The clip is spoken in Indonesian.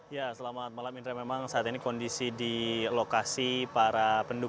ya selamat malam indra memang saat ini kondisi di lokasi para pendukung paslon satu ini sangat berubah